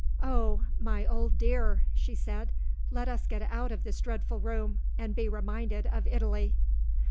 "Oh, my old dear!" she said, "let us get out of this dreadful room, and be reminded of Italy!"